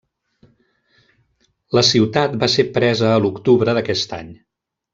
La ciutat va ser presa a l'octubre d'aquest any.